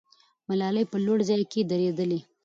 ملالۍ په لوړ ځای کې درېدلې.